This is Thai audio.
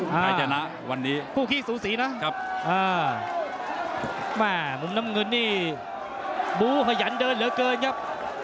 ให้ชนะวันนี้คู่ขี้สูสีนะครับแม่มุมน้ำเงินนี่บูขยันเดินเหลือเกินครับ